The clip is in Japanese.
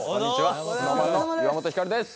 ＳｎｏｗＭａｎの岩本照です。